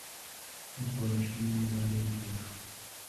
موږ کولای شو نوي لارې وپلټو.